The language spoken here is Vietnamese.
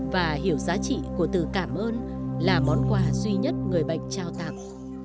và hiểu giá trị của từ cảm ơn là món quà duy nhất người bệnh trao tặng